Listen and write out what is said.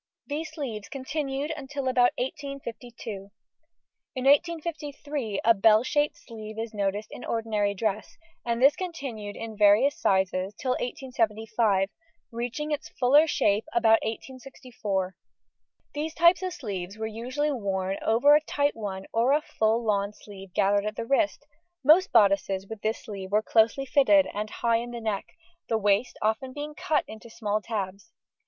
These sleeves continued till about 1852. In 1853 a bell shaped sleeve is noticed in ordinary dress, and this continued in various sizes till 1875, reaching its fuller shape about 1864. These types of sleeves were usually worn over a tight one or a full lawn sleeve gathered at the wrist; most bodices with this sleeve were closely fitted and high in the neck, the waist often being cut into small tabs.